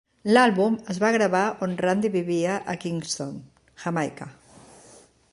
L'àlbum es va gravar on Randy vivia a Kingston, Jamaica.